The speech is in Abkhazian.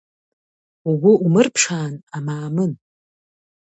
Угәы умырԥшаан, Амаамын.